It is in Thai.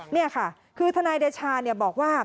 นี่ค่ะคือทนายเดชาบอกว่า